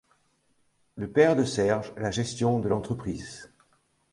Le père de Serge la gestion de l'entreprise.